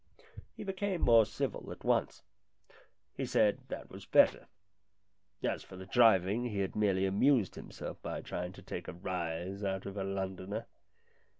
He became more civil at once. He said that was better. As for the driving, he had merely amused himself by trying to take a rise out of a Londoner.